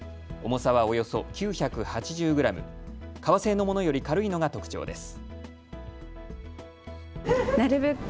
重さはおよそ９８０グラム、革製のものより軽いのが特長です。